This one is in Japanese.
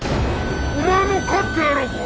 お前も狩ってやろうか！